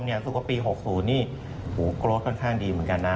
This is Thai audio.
รู้สึกว่าปี๖๐นี่โกรธค่อนข้างดีเหมือนกันนะ